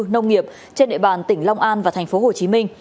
nông nghiệp trên địa bàn tỉnh long an và tp hcm